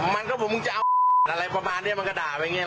มันก็พอมึงจะเอาอะไรประมาณเนี่ยมันก๋าด่าไปเนี่ย